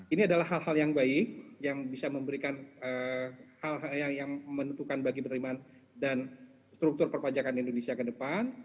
ini adalah hal hal yang baik yang bisa memberikan hal hal yang menentukan bagi penerimaan dan struktur perpajakan indonesia ke depan